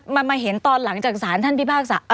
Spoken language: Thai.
มันมาเห็นตอนหลังจากสารท่านพิพากษา